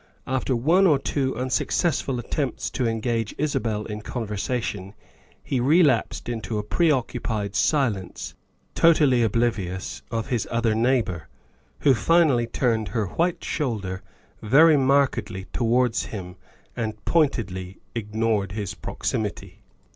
After one or two unsuccess ful attempts to engage Isabel in conversation he relapsed into a preoccupied silence, totally oblivious of his other neighbor, who finally turned her white shoulder very markedly towards him and pointedly ignored his prox imity.